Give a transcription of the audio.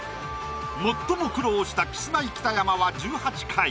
最も苦労したキスマイ北山は１８回。